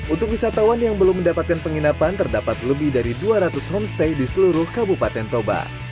untuk wisatawan yang belum mendapatkan penginapan terdapat lebih dari dua ratus homestay di seluruh kabupaten toba